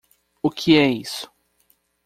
O que é isso?